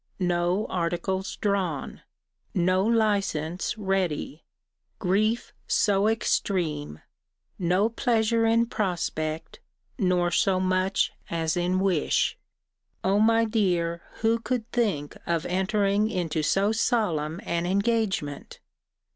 No articles drawn. No license ready. Grief so extreme: no pleasure in prospect, nor so much as in wish O my dear, who could think of entering into so solemn an engagement?